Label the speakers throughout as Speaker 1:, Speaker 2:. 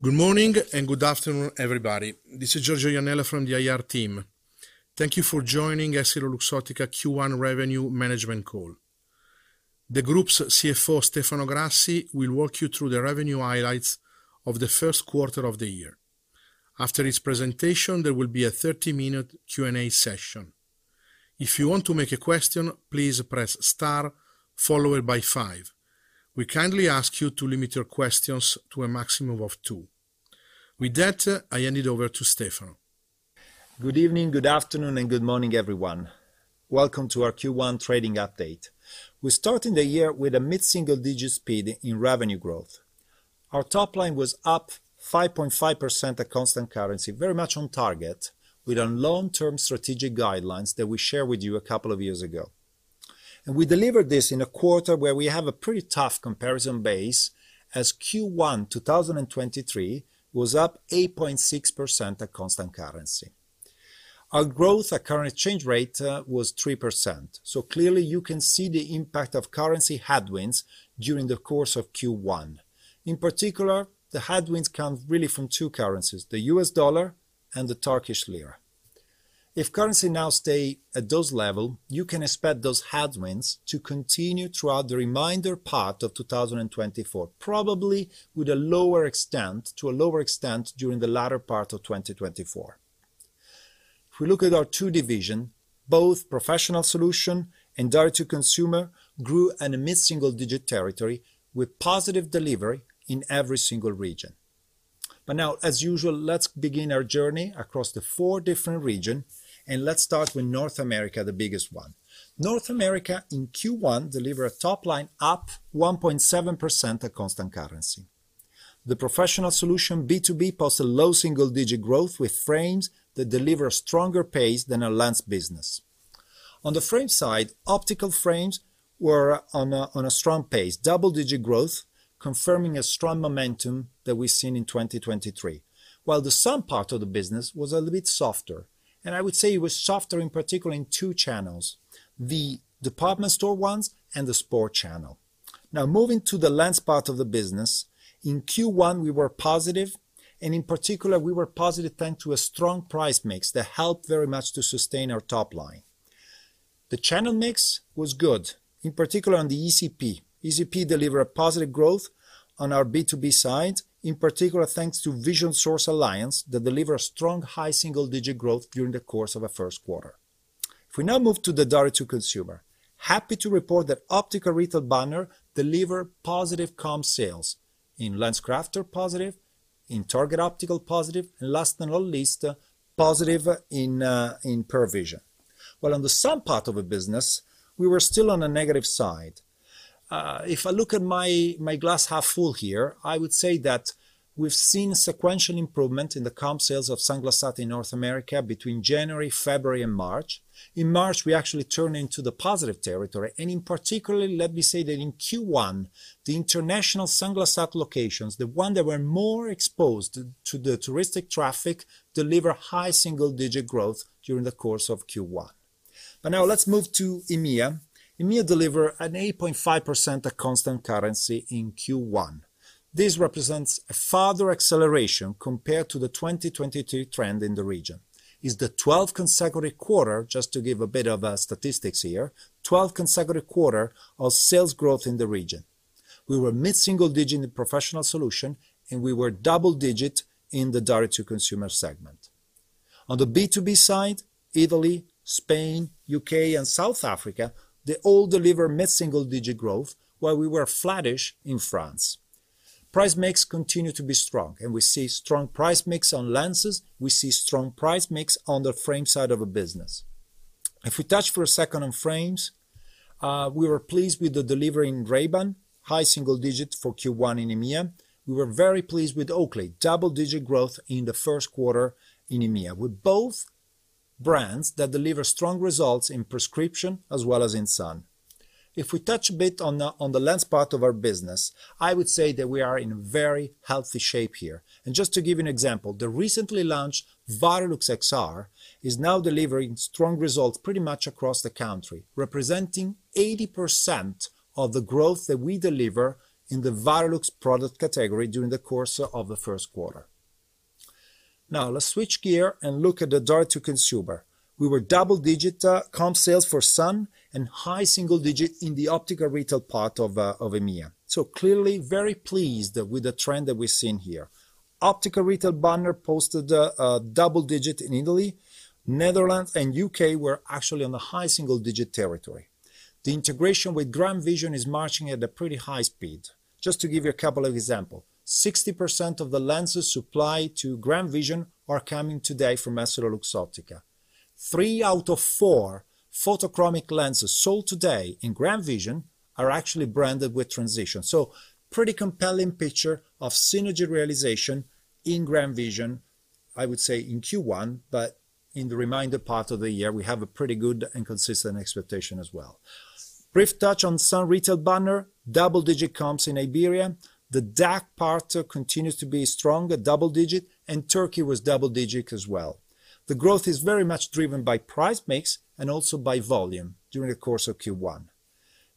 Speaker 1: Good morning and good afternoon, everybody. This is Giorgio Iannella from the IR team. Thank you for joining EssilorLuxottica Q1 revenue management call. The group's CFO, Stefano Grassi, will walk you through the revenue highlights of the first quarter of the year. After his presentation, there will be a 30-minute Q&A session. If you want to make a question, please press star followed by five. We kindly ask you to limit your questions to a maximum of two. With that, I hand it over to Stefano.
Speaker 2: Good evening, good afternoon, and good morning, everyone. Welcome to our Q1 trading update. We started the year with a mid-single-digit speed in revenue growth. Our top line was up 5.5% at constant currency, very much on target, with our long-term strategic guidelines that we shared with you a couple of years ago. We delivered this in a quarter where we have a pretty tough comparison base, as Q1 2023 was up 8.6% at constant currency. Our growth at current exchange rate was 3%, so clearly you can see the impact of currency headwinds during the course of Q1. In particular, the headwinds come really from two currencies: the U.S. dollar and the Turkish lira. If currency now stays at those levels, you can expect those headwinds to continue throughout the remainder part of 2024, probably with a lower extent during the latter part of 2024. If we look at our two divisions, both Professional Solutions and direct-to-consumer, grew in a mid-single-digit territory with positive delivery in every single region. But now, as usual, let's begin our journey across the four different regions, and let's start with North America, the biggest one. North America, in Q1, delivered a top line up 1.7% at constant currency. The Professional Solutions, B2B, posted low single-digit growth with frames that deliver a stronger pace than a lens business. On the frame side, optical frames were on a strong pace, double-digit growth, confirming a strong momentum that we've seen in 2023, while the sun part of the business was a little bit softer. I would say it was softer, in particular, in two channels: the department store ones and the sport channel. Now, moving to the lens part of the business, in Q1, we were positive, and in particular, we were positive thanks to a strong price mix that helped very much to sustain our top line. The channel mix was good, in particular on the ECP. ECP delivered positive growth on our B2B side, in particular thanks to Vision Source alliance that delivered strong high single-digit growth during the course of our first quarter. If we now move to the direct-to-consumer, happy to report that optical retail banners delivered positive comp sales. In LensCrafters, positive. In Target Optical, positive. And last but not least, positive in Pearle Vision. While on the sun part of the business, we were still on a negative side. If I look at my glass half full here, I would say that we've seen sequential improvement in the comp sales of Sunglass Hut in North America between January, February, and March. In March, we actually turned into the positive territory. In particular, let me say that in Q1, the international Sunglass Hut locations, the ones that were more exposed to the touristic traffic, delivered high single-digit growth during the course of Q1. But now, let's move to EMEA. EMEA delivered an 8.5% at constant currency in Q1. This represents a further acceleration compared to the 2022 trend in the region. It's the 12th consecutive quarter, just to give a bit of statistics here, 12th consecutive quarter of sales growth in the region. We were mid-single-digit in the professional solution, and we were double-digit in the direct-to-consumer segment. On the B2B side, Italy, Spain, U.K., and South Africa, they all delivered mid-single-digit growth, while we were flattish in France. Price mix continued to be strong, and we see strong price mix on lenses. We see strong price mix on the frame side of a business. If we touch for a second on frames, we were pleased with the delivery in Ray-Ban, high single-digit for Q1 in EMEA. We were very pleased with Oakley, double-digit growth in the first quarter in EMEA, with both brands that deliver strong results in prescription as well as in sun. If we touch a bit on the lens part of our business, I would say that we are in very healthy shape here. Just to give you an example, the recently launched Varilux XR is now delivering strong results pretty much across the country, representing 80% of the growth that we deliver in the Varilux product category during the course of the first quarter. Now, let's switch gear and look at the direct-to-consumer. We were double-digit comp sales for sun and high single-digit in the optical retail part of EMEA. So clearly, very pleased with the trend that we've seen here. Optical retail banner posted double-digit in Italy. Netherlands and U.K. were actually on the high single-digit territory. The integration with GrandVision is marching at a pretty high speed. Just to give you a couple of examples, 60% of the lenses supplied to GrandVision are coming today from EssilorLuxottica. Three out of four photochromic lenses sold today in GrandVision are actually branded with Transitions. Pretty compelling picture of synergy realization in GrandVision, I would say, in Q1, but in the remainder part of the year, we have a pretty good and consistent expectation as well. Brief touch on Sunglass Hut retail banner, double-digit comps in Iberia. The DACH part continues to be strong, double-digit, and Turkey was double-digit as well. The growth is very much driven by price mix and also by volume during the course of Q1.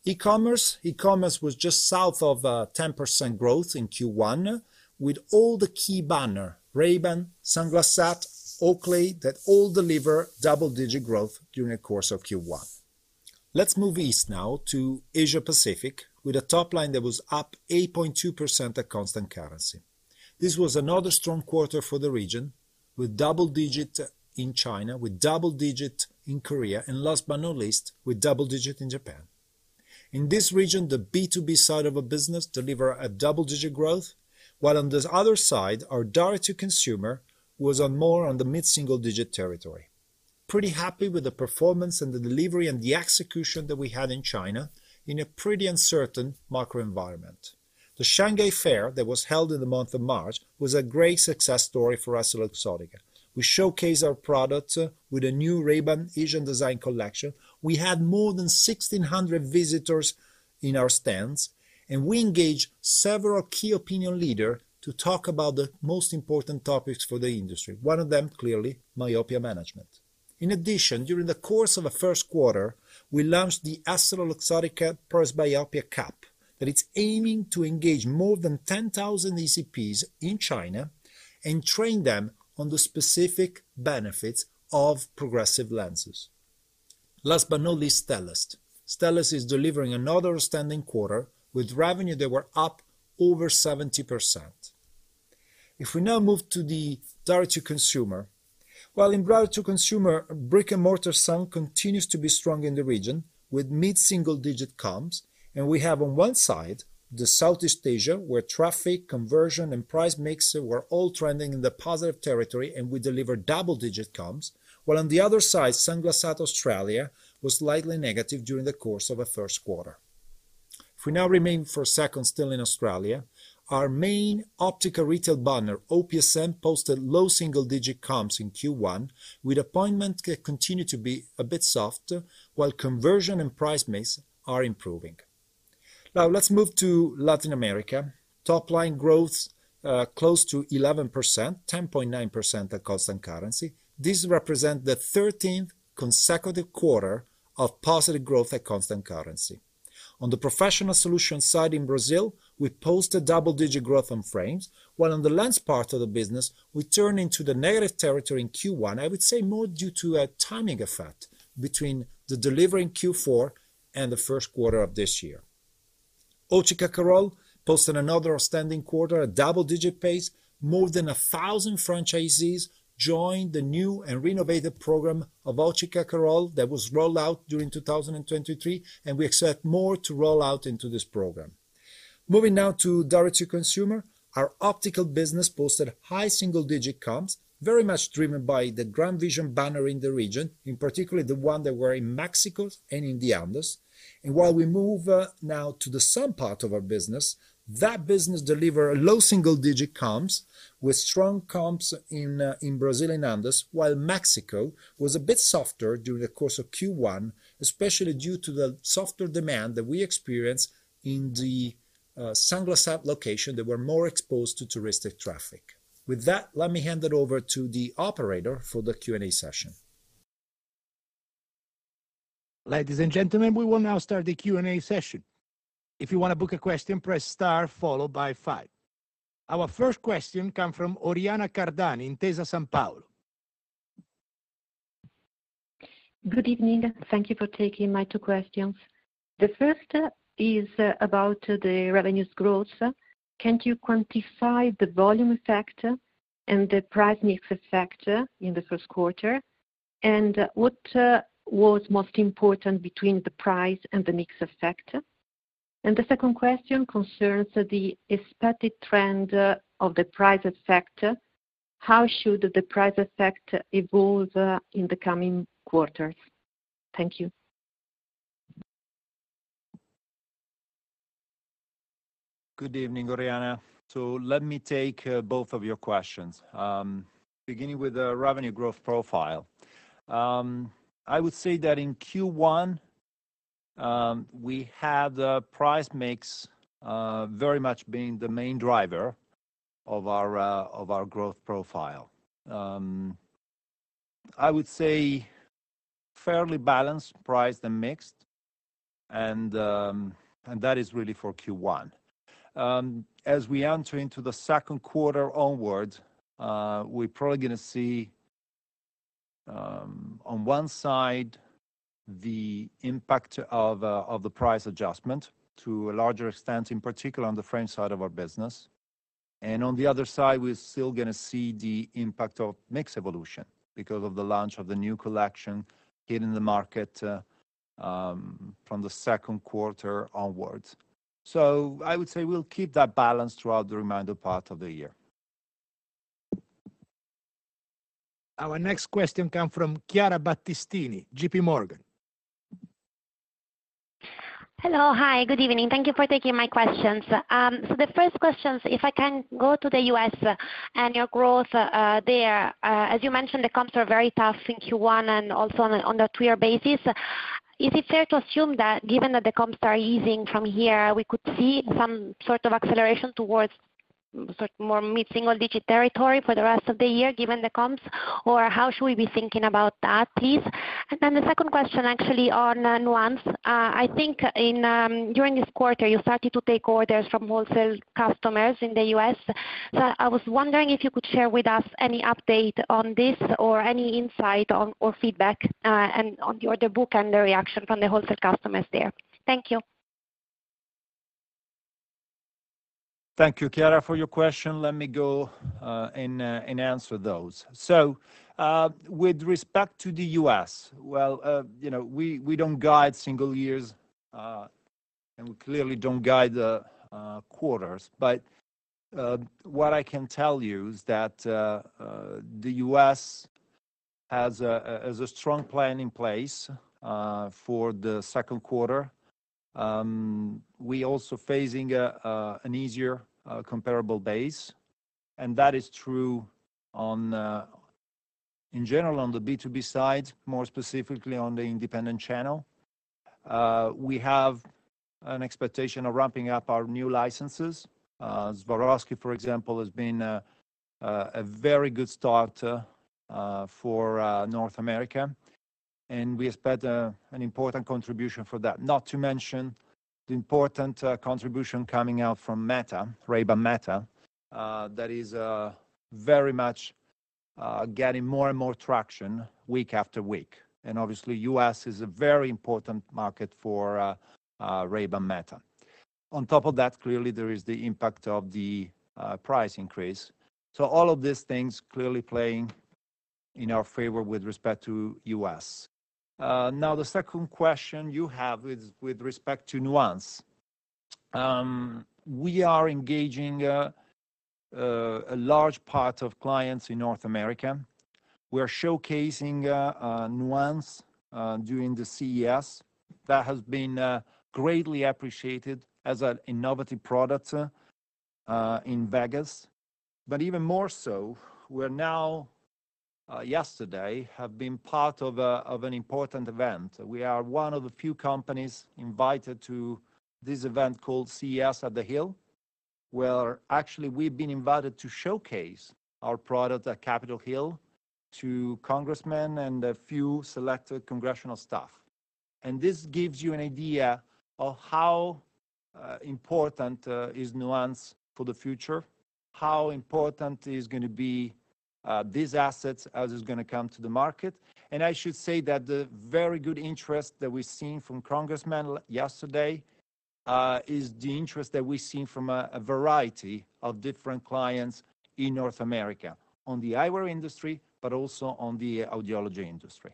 Speaker 2: E-commerce? E-commerce was just south of 10% growth in Q1, with all the key banners, Ray-Ban, Sunglass Hut, Oakley, that all deliver double-digit growth during the course of Q1. Let's move east now to Asia-Pacific, with a top line that was up 8.2% at constant currency. This was another strong quarter for the region, with double-digit in China, with double-digit in Korea, and last but not least, with double-digit in Japan. In this region, the B2B side of a business delivered a double-digit growth, while on the other side, our direct-to-consumer was more on the mid-single-digit territory. Pretty happy with the performance and the delivery and the execution that we had in China in a pretty uncertain macro environment. The Shanghai Fair that was held in the month of March was a great success story for EssilorLuxottica. We showcased our products with a new Ray-Ban Asian design collection. We had more than 1,600 visitors in our stands, and we engaged several key opinion leaders to talk about the most important topics for the industry. One of them, clearly, myopia management. In addition, during the course of the first quarter, we launched the EssilorLuxottica Presbyopia Cup that is aiming to engage more than 10,000 ECPs in China and train them on the specific benefits of progressive lenses. Last but not least, Stellest. Stellest is delivering another outstanding quarter with revenue that were up over 70%. If we now move to the direct-to-consumer, well, in direct-to-consumer, brick-and-mortar Sunglass Hut continues to be strong in the region with mid-single-digit comps. And we have, on one side, Southeast Asia, where traffic, conversion, and price mix were all trending in the positive territory, and we delivered double-digit comps, while on the other side, Sunglass Hut at Australia was slightly negative during the course of the first quarter. If we now remain for a second still in Australia, our main optical retail banner, OPSM, posted low single-digit comps in Q1, with appointments that continue to be a bit soft, while conversion and price mix are improving. Now, let's move to Latin America. Top line growth close to 11%, 10.9% at constant currency. This represents the 13th consecutive quarter of positive growth at constant currency. On the professional solution side in Brazil, we posted double-digit growth on frames, while on the lens part of the business, we turned into the negative territory in Q1, I would say, more due to a timing effect between the delivery in Q4 and the first quarter of this year. Óticas Carol posted another outstanding quarter at double-digit pace. More than 1,000 franchisees joined the new and renovated program of Óticas Carol that was rolled out during 2023, and we expect more to roll out into this program. Moving now to direct-to-consumer, our optical business posted high single-digit comps, very much driven by the GrandVision banner in the region, in particular, the one that we're in Mexico and in the Andes. While we move now to the sun part of our business, that business delivered low single-digit comps with strong comps in Brazil and Andes, while Mexico was a bit softer during the course of Q1, especially due to the softer demand that we experienced in the sunglass retail locations that were more exposed to tourist traffic. With that, let me hand it over to the operator for the Q&A session.
Speaker 3: Ladies and gentlemen, we will now start the Q&A session. If you want to book a question, press star followed by five. Our first question comes from Oriana Cardani in Intesa Sanpaolo.
Speaker 4: Good evening. Thank you for taking my two questions. The first is about the revenues growth. Can you quantify the volume effect and the price mix effect in the first quarter, and what was most important between the price and the mix effect? The second question concerns the expected trend of the price effect. How should the price effect evolve in the coming quarters? Thank you.
Speaker 2: Good evening, Oriana. So let me take both of your questions, beginning with the revenue growth profile. I would say that in Q1, we had the price mix very much being the main driver of our growth profile. I would say fairly balanced price than mixed, and that is really for Q1. As we enter into the second quarter onwards, we're probably going to see, on one side, the impact of the price adjustment to a larger extent, in particular, on the frame side of our business. And on the other side, we're still going to see the impact of mix evolution because of the launch of the new collection hitting the market from the second quarter onwards. So I would say we'll keep that balance throughout the remainder part of the year.
Speaker 3: Our next question comes from Chiara Battistini, J.P. Morgan.
Speaker 5: Hello. Hi. Good evening. Thank you for taking my questions. So the first question is, if I can go to the U.S. and your growth there, as you mentioned, the comps are very tough in Q1 and also on a two-year basis. Is it fair to assume that, given that the comps are easing from here, we could see some sort of acceleration towards more mid-single-digit territory for the rest of the year, given the comps? Or how should we be thinking about that, please? And then the second question, actually, on Nuance. I think during this quarter, you started to take orders from wholesale customers in the U.S. So I was wondering if you could share with us any update on this or any insight or feedback on your book and the reaction from the wholesale customers there. Thank you.
Speaker 2: Thank you, Chiara, for your question. Let me go and answer those. So with respect to the U.S., well, we don't guide single years, and we clearly don't guide the quarters. But what I can tell you is that the U.S. has a strong plan in place for the second quarter. We're also facing an easier comparable base, and that is true, in general, on the B2B side, more specifically on the independent channel. We have an expectation of ramping up our new licenses. Swarovski, for example, has been a very good start for North America, and we expect an important contribution for that, not to mention the important contribution coming out from Meta, Ray-Ban Meta, that is very much getting more and more traction week after week. And obviously, the U.S. is a very important market for Ray-Ban Meta. On top of that, clearly, there is the impact of the price increase. So all of these things clearly playing in our favor with respect to the U.S. Now, the second question you have with respect to Nuance. We are engaging a large part of clients in North America. We are showcasing Nuance during the CES. That has been greatly appreciated as an innovative product in Vegas. But even more so, we're now, yesterday, have been part of an important event. We are one of the few companies invited to this event called CES on the Hill, where actually, we've been invited to showcase our product at Capitol Hill to congressmen and a few selected congressional staff. And this gives you an idea of how important Nuance is for the future, how important it is going to be these assets as it's going to come to the market. I should say that the very good interest that we've seen from congressmen yesterday is the interest that we've seen from a variety of different clients in North America, on the eyewear industry, but also on the audiology industry.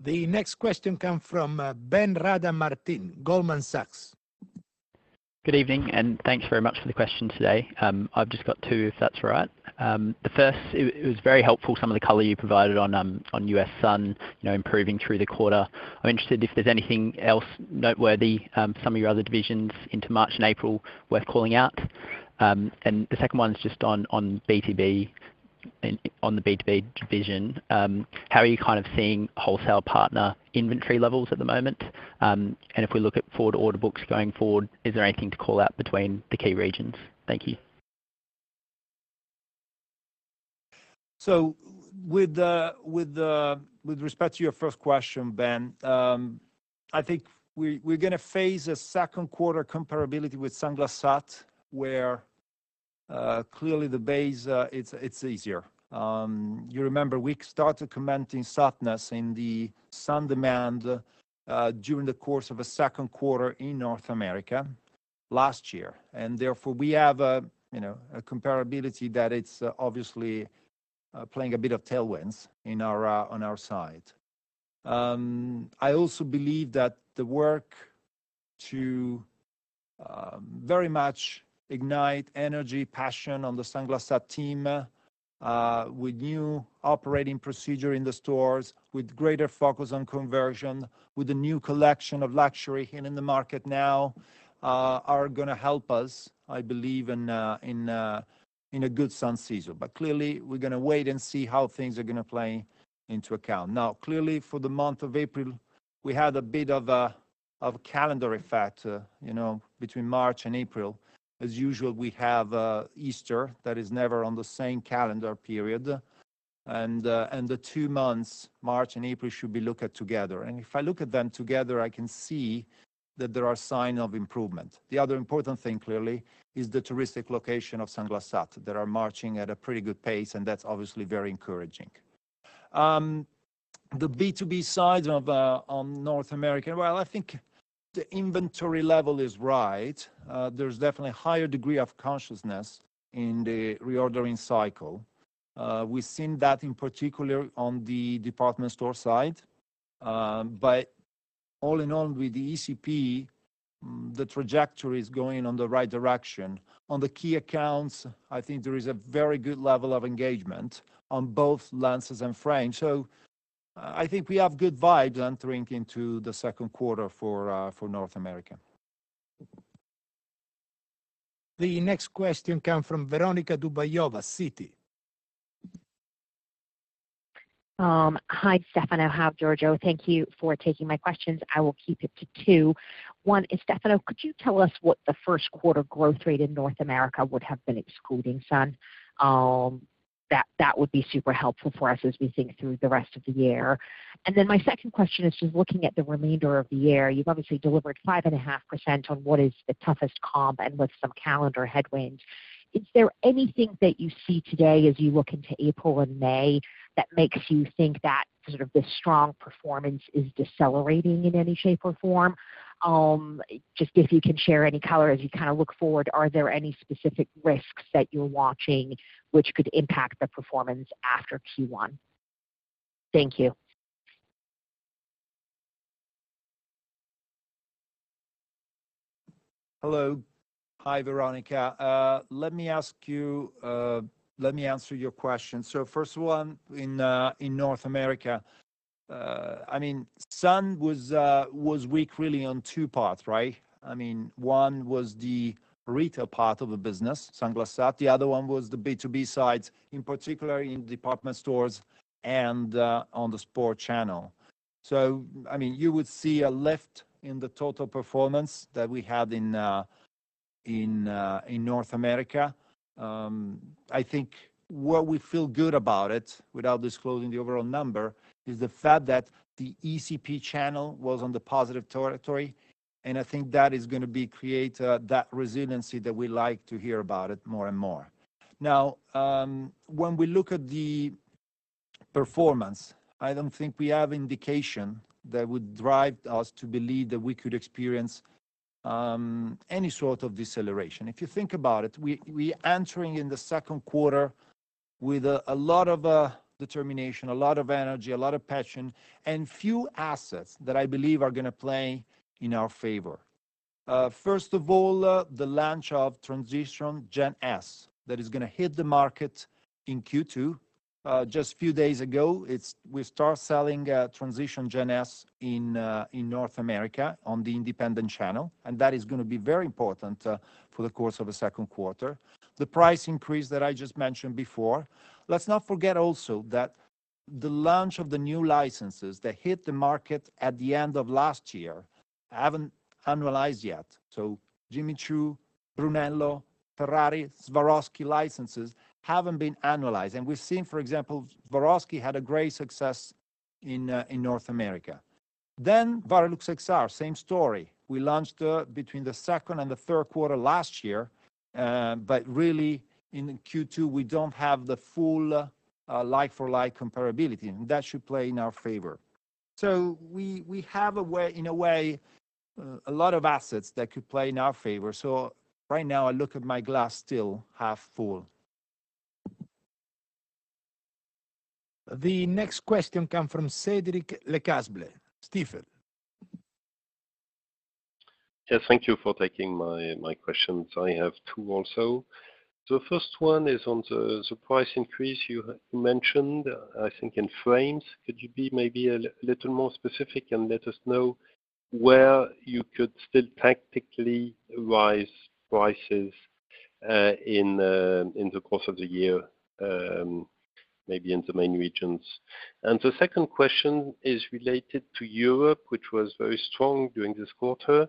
Speaker 3: The next question comes from Ben Rada Martin, Goldman Sachs.
Speaker 6: Good evening, and thanks very much for the question today. I've just got two, if that's all right. The first, it was very helpful, some of the color you provided on U.S. sun, improving through the quarter. I'm interested if there's anything else noteworthy, some of your other divisions into March and April, worth calling out. And the second one is just on B2B, on the B2B division. How are you kind of seeing wholesale partner inventory levels at the moment? And if we look at forward order books going forward, is there anything to call out between the key regions? Thank you.
Speaker 2: So with respect to your first question, Ben, I think we're going to face a second quarter comparability with Sunglass Hut, where clearly, the base, it's easier. You remember, we started commenting softness in the sunglass demand during the course of a second quarter in North America last year. And therefore, we have a comparability that is obviously playing a bit of tailwinds on our side. I also believe that the work to very much ignite energy, passion on the Sunglass Hut team with new operating procedure in the stores, with greater focus on conversion, with a new collection of luxury hitting the market now, are going to help us, I believe, in a good sun season. But clearly, we're going to wait and see how things are going to play into account. Now, clearly, for the month of April, we had a bit of a calendar effect between March and April. As usual, we have Easter that is never on the same calendar period. The two months, March and April, should be looked at together. If I look at them together, I can see that there are signs of improvement. The other important thing, clearly, is the touristic location of Sunglass Hut. They are marching at a pretty good pace, and that's obviously very encouraging. The B2B side on North America, well, I think the inventory level is right. There's definitely a higher degree of consciousness in the reordering cycle. We've seen that, in particular, on the department store side. But all in all, with the ECP, the trajectory is going in the right direction. On the key accounts, I think there is a very good level of engagement on both lenses and frames. I think we have good vibes entering into the second quarter for North America.
Speaker 3: The next question comes from Veronika Dubajova, Citi.
Speaker 7: Hi, Stefano. Hi, Giorgio? Thank you for taking my questions. I will keep it to two. One is, Stefano, could you tell us what the first quarter growth rate in North America would have been excluding sun? That would be super helpful for us as we think through the rest of the year. And then my second question is just looking at the remainder of the year. You've obviously delivered 5.5% on what is the toughest comp and with some calendar headwinds. Is there anything that you see today as you look into April and May that makes you think that sort of this strong performance is decelerating in any shape or form? Just if you can share any color as you kind of look forward, are there any specific risks that you're watching which could impact the performance after Q1? Thank you.
Speaker 2: Hello. Hi, Veronica. Let me answer your question. So first of all, in North America, I mean, sun was weak, really, on two parts, right? I mean, one was the retail part of the business, Sunglass Hut. The other one was the B2B side, in particular, in department stores and on the sport channel. So I mean, you would see a lift in the total performance that we had in North America. I think what we feel good about it, without disclosing the overall number, is the fact that the ECP channel was on the positive territory. And I think that is going to create that resiliency that we like to hear about it more and more. Now, when we look at the performance, I don't think we have indication that would drive us to believe that we could experience any sort of deceleration. If you think about it, we're entering in the second quarter with a lot of determination, a lot of energy, a lot of passion, and a few assets that I believe are going to play in our favor. First of all, the launch of Transitions GEN S that is going to hit the market in Q2. Just a few days ago, we started selling Transitions GEN S in North America on the independent channel. And that is going to be very important for the course of the second quarter. The price increase that I just mentioned before. Let's not forget also that the launch of the new licenses that hit the market at the end of last year haven't annualized yet. So Jimmy Choo, Brunello, Ferrari, Swarovski licenses haven't been annualized. And we've seen, for example, Swarovski had a great success in North America. Then Varilux XR, same story. We launched between the second and the third quarter last year. But really, in Q2, we don't have the full like-for-like comparability. And that should play in our favor. So we have, in a way, a lot of assets that could play in our favor. So right now, I look at my glass still half full.
Speaker 3: The next question comes from Cédric Lecasble, Stifel.
Speaker 8: Yeah. Thank you for taking my questions. I have two also. So the first one is on the price increase you mentioned, I think, in frames. Could you be maybe a little more specific and let us know where you could still tactically raise prices in the course of the year, maybe in the main regions? And the second question is related to Europe, which was very strong during this quarter.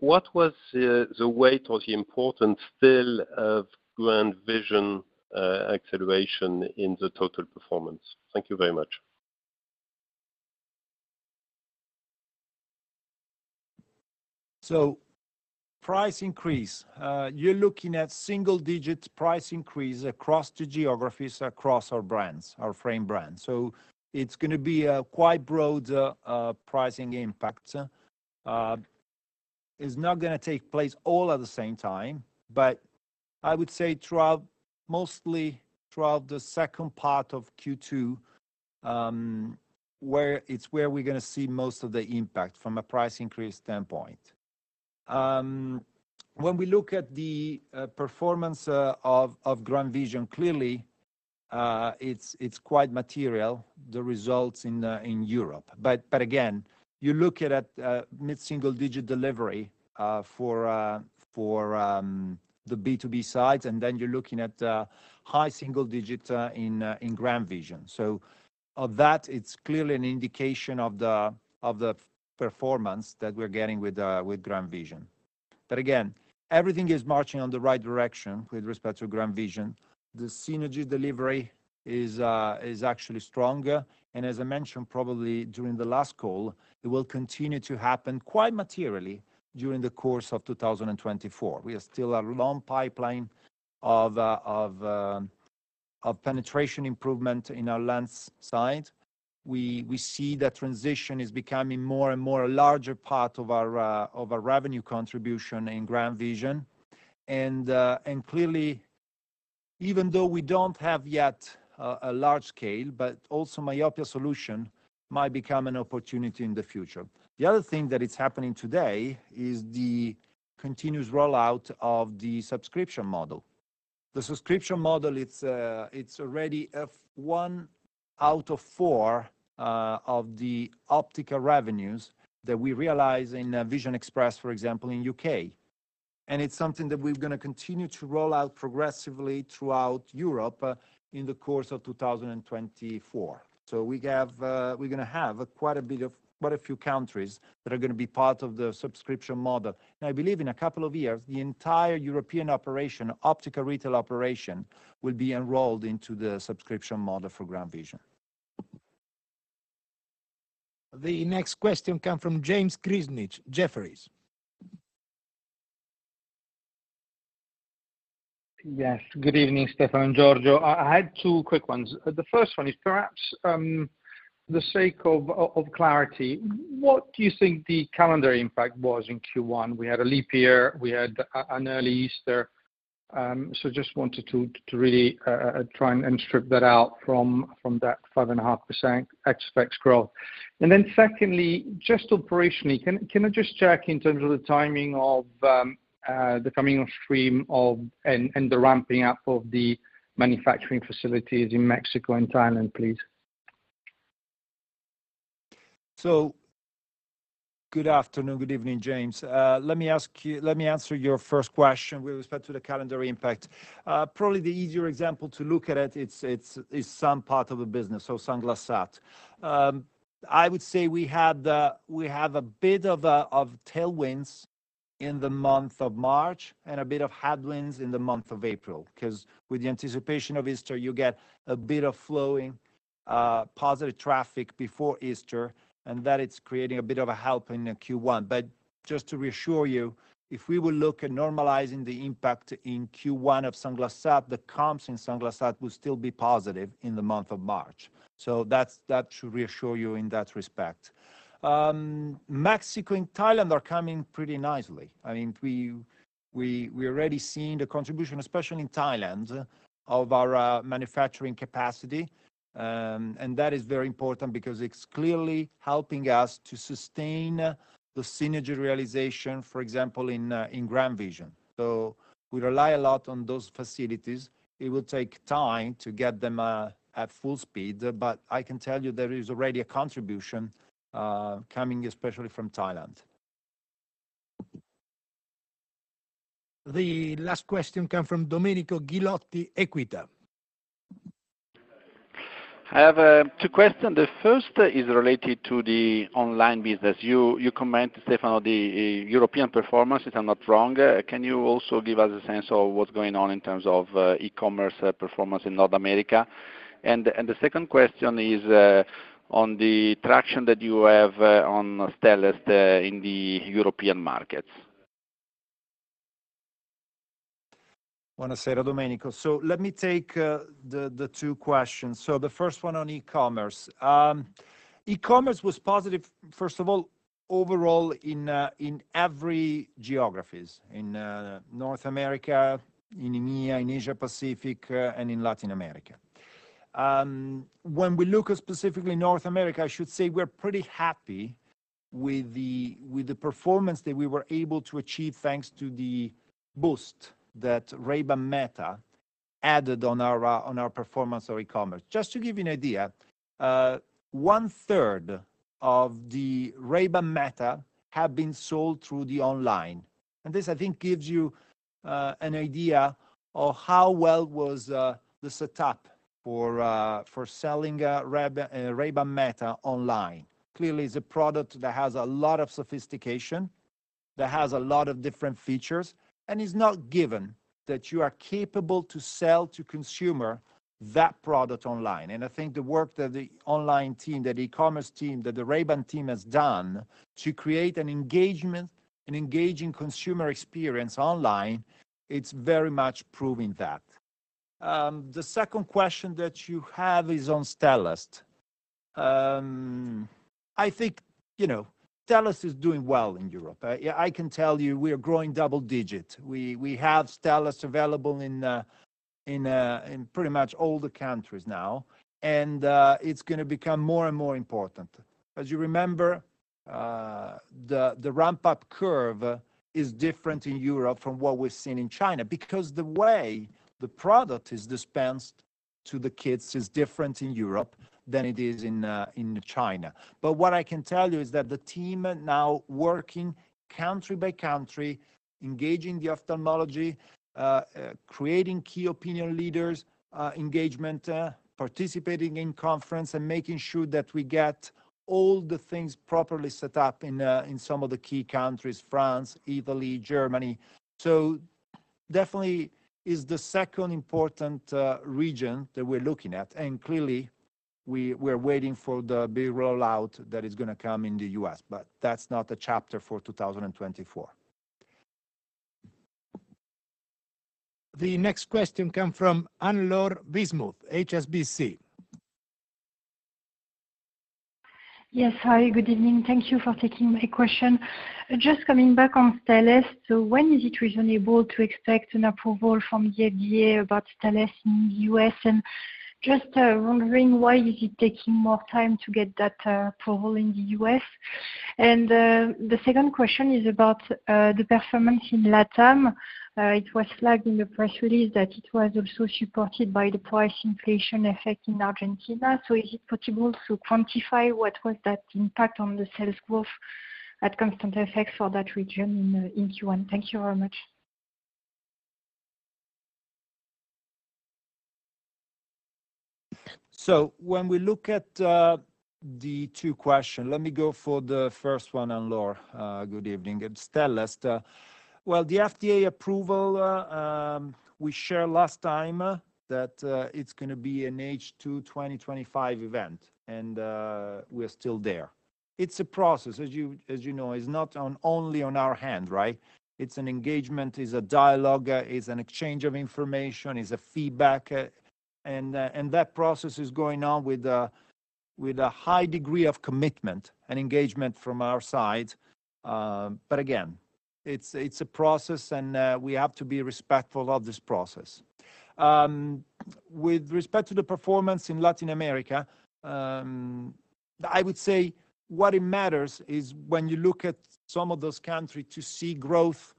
Speaker 8: What was the weight or the importance still of GrandVision acceleration in the total performance? Thank you very much.
Speaker 2: So price increase. You're looking at single-digit price increase across the geographies, across our brands, our frame brands. So it's going to be a quite broad pricing impact. It's not going to take place all at the same time. But I would say mostly throughout the second part of Q2, it's where we're going to see most of the impact from a price increase standpoint. When we look at the performance of GrandVision, clearly, it's quite material, the results in Europe. But again, you look at mid-single-digit delivery for the B2B sides, and then you're looking at high single-digit in GrandVision. So of that, it's clearly an indication of the performance that we're getting with GrandVision. But again, everything is marching in the right direction with respect to GrandVision. The synergy delivery is actually stronger. And as I mentioned probably during the last call, it will continue to happen quite materially during the course of 2024. We are still at a long pipeline of penetration improvement in our lens side. We see that Transitions is becoming more and more a larger part of our revenue contribution in GrandVision. And clearly, even though we don't have yet a large scale, but also myopia solution might become an opportunity in the future. The other thing that is happening today is the continuous rollout of the subscription model. The subscription model, it's already one out of four of the optical revenues that we realize in Vision Express, for example, in the U.K. And it's something that we're going to continue to rollout progressively throughout Europe in the course of 2024. We're going to have quite a bit of quite a few countries that are going to be part of the subscription model. I believe in a couple of years, the entire European operation, optical retail operation, will be enrolled into the subscription model for GrandVision.
Speaker 3: The next question comes from James Grzinic, Jefferies.
Speaker 9: Yes. Good evening, Stefano and Giorgio. I had two quick ones. The first one is perhaps for the sake of clarity. What do you think the calendar impact was in Q1? We had a leap year. We had an early Easter. So just wanted to really try and strip that out from that 5.5% expected growth. Then secondly, just operationally, can I just check in terms of the timing of the coming on stream and the ramping up of the manufacturing facilities in Mexico and Thailand, please?
Speaker 2: So good afternoon. Good evening, James. Let me answer your first question with respect to the calendar impact. Probably the easier example to look at it is some part of the business, so Sunglass Hut. I would say we have a bit of tailwinds in the month of March and a bit of headwinds in the month of April because with the anticipation of Easter, you get a bit of flowing positive traffic before Easter, and that is creating a bit of a help in Q1. But just to reassure you, if we were looking at normalizing the impact in Q1 of Sunglass Hut, the comps in Sunglass Hut would still be positive in the month of March. So that should reassure you in that respect. Mexico and Thailand are coming pretty nicely. I mean, we're already seeing the contribution, especially in Thailand, of our manufacturing capacity. That is very important because it's clearly helping us to sustain the synergy realization, for example, in GrandVision. So we rely a lot on those facilities. It will take time to get them at full speed. But I can tell you there is already a contribution coming, especially from Thailand.
Speaker 3: The last question comes from Domenico Ghilotti, Equita.
Speaker 10: I have two questions. The first is related to the online business. You commented, Stefano, the European performance. If I'm not wrong, can you also give us a sense of what's going on in terms of e-commerce performance in North America? And the second question is on the traction that you have on Stellest in the European markets.
Speaker 2: Buonasera, Domenico. So let me take the two questions. So the first one on e-commerce. E-commerce was positive, first of all, overall in every geographies: in North America, in EMEA, in Asia-Pacific, and in Latin America. When we look at specifically North America, I should say we're pretty happy with the performance that we were able to achieve thanks to the boost that Ray-Ban Meta added on our performance of e-commerce. Just to give you an idea, 1/3 of the Ray-Ban Meta have been sold through the online. And this, I think, gives you an idea of how well was the setup for selling Ray-Ban Meta online. Clearly, it's a product that has a lot of sophistication, that has a lot of different features, and it's not given that you are capable to sell to consumer that product online. I think the work that the online team, that the e-commerce team, that the Ray-Ban team has done to create an engagement, an engaging consumer experience online, it's very much proving that. The second question that you have is on Stellest. I think Stellest is doing well in Europe. I can tell you we are growing double-digit. We have Stellest available in pretty much all the countries now. And it's going to become more and more important. As you remember, the ramp-up curve is different in Europe from what we've seen in China because the way the product is dispensed to the kids is different in Europe than it is in China. What I can tell you is that the team now working country by country, engaging the ophthalmology, creating key opinion leaders engagement, participating in conference, and making sure that we get all the things properly set up in some of the key countries: France, Italy, Germany. Definitely is the second important region that we're looking at. Clearly, we're waiting for the big rollout that is going to come in the U.S. That's not the chapter for 2024.
Speaker 3: The next question comes from Anne-Laure Bismuth, HSBC.
Speaker 11: Yes. Hi. Good evening. Thank you for taking my question. Just coming back on Stellest. So when is it reasonable to expect an approval from the FDA about Stellest in the US? And just wondering, why is it taking more time to get that approval in the U.S.? And the second question is about the performance in LATAM. It was flagged in the press release that it was also supported by the price inflation effect in Argentina. So is it possible to quantify what was that impact on the sales growth at Constant FX for that region in Q1? Thank you very much.
Speaker 2: So when we look at the two questions, let me go for the first one, Anne-Laure. Good evening. For Stellest, well, the FDA approval, we shared last time that it's going to be an H2 2025 event. And we're still there. It's a process, as you know, is not only in our hands, right? It's an engagement, is a dialogue, is an exchange of information, is a feedback. And that process is going on with a high degree of commitment and engagement from our side. But again, it's a process, and we have to be respectful of this process. With respect to the performance in Latin America, I would say what matters is when you look at some of those countries to see growth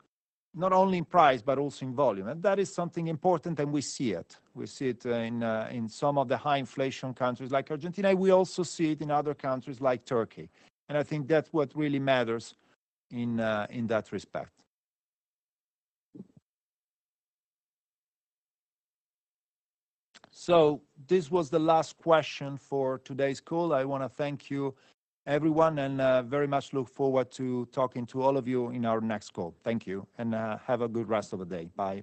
Speaker 2: not only in price but also in volume. And that is something important, and we see it. We see it in some of the high-inflation countries like Argentina. We also see it in other countries like Turkey. I think that's what really matters in that respect. This was the last question for today's call. I want to thank you, everyone, and very much look forward to talking to all of you in our next call. Thank you. Have a good rest of the day. Bye.